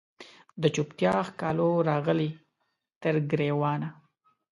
د چوپتیا ښکالو راغلې تر ګریوانه